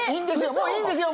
もういいんですよ。